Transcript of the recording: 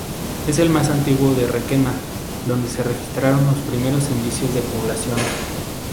Es el más antiguo de Requena donde se registraron los primeros indicios de población.